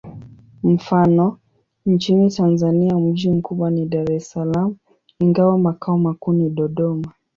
Mfano: nchini Tanzania mji mkubwa ni Dar es Salaam, ingawa makao makuu ni Dodoma.